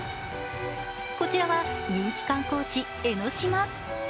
こちらは人気観光地・江の島。